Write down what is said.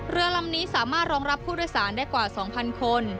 เรือลำนี้สามารถรองรับผู้โดยสารได้กว่า๒๐๐คน